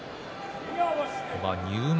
入幕